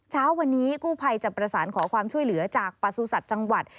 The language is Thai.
เช้าวันนี้กู้ภัยจะประสานขอความช่วยเหลือจากประสุทธิ์จังหวัด